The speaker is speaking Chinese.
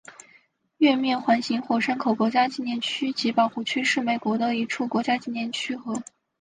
月面环形火山口国家纪念区及保护区是美国的一处国家纪念区和。